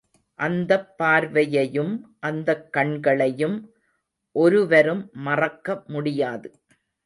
அந்தப் பார்வையையும், அந்தக் கண்களையும் ஒருவரும் மறக்க முடியாது.